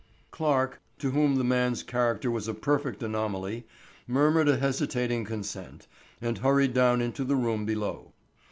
Clarke, to whom this man's character was a perfect anomaly, murmured a hesitating consent and hurried down into the room below.